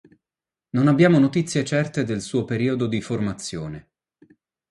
Non abbiamo notizie certe del suo periodo di formazione.